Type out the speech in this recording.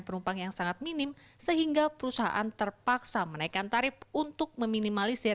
penumpang yang sangat minim sehingga perusahaan terpaksa menaikkan tarif untuk meminimalisir